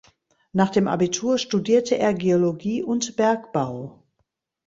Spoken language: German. Nach dem Abitur studierte er Geologie und Bergbau.